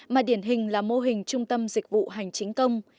mà điển hình là mô hình trung tâm dịch vụ hành chính công